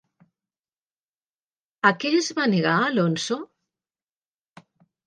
A què es va negar Alonso?